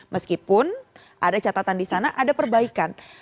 meskipun ada catatan di sana ada perbaikan